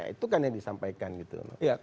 itu kan yang disampaikan gitu loh